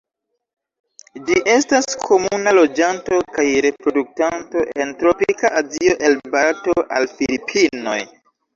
Ĝi estas komuna loĝanto kaj reproduktanto en tropika Azio el Barato al Filipinoj.